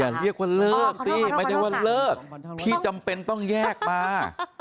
เรียกว่าเลิกสิไม่ได้ว่าเลิกพี่จำเป็นต้องแยกมา